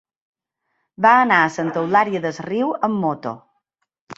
Va anar a Santa Eulària des Riu amb moto.